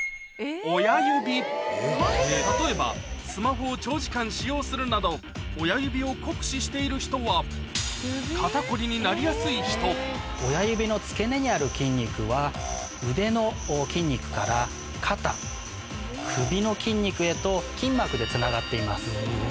例えばスマホを長時間使用するなどになりやすい人親指の付け根にある筋肉は腕の筋肉から肩首の筋肉へと筋膜でつながっています。